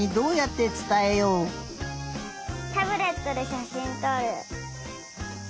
タブレットでしゃしんとる。